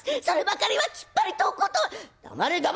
そればかりはきっぱりとお断り」。